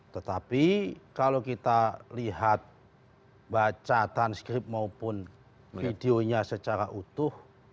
tetapi kalau kita lihat baca transkript maupun videonya secara utuh